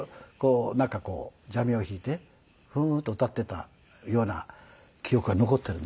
なんかこう蛇味を弾いてフウーと歌っていたような記憶が残っているんですね。